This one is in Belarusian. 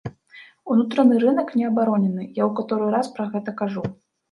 Унутраны рынак не абаронены, я ў каторы раз пра гэта кажу.